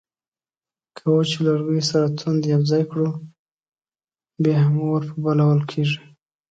که وچو لرګیو سره توند یو ځای کړو بیا هم اور په بلول کیږي